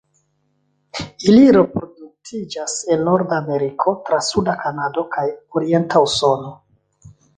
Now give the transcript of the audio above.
Ili reproduktiĝas en Nordameriko, tra suda Kanado kaj orienta Usono.